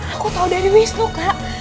aku tahu dari wisnu kak